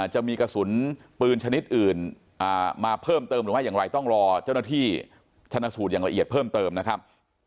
จะมีกระสุนปืนชนิดอื่นมาเพิ่มเติมหรือไม่อย่างไรต้องรอเจ้าหน้าที่ชนะสูตรอย่างละเอียดเพิ่มเติมนะครับ